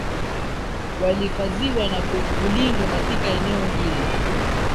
walihifadhiwa na kulindwa katika eneo hili